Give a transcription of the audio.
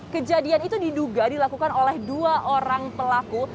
kejadian itu diduga dilakukan oleh dua orang pelaku